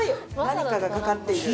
何かがかかっている。